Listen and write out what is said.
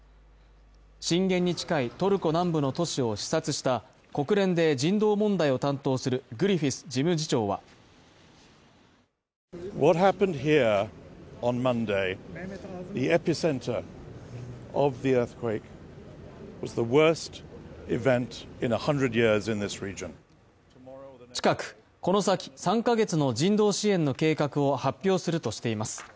震源に近いトルコ南部の都市を視察した国連で人道問題を担当するグリフィス事務総長は近くこの先３か月の人道支援の計画を発表するとしています。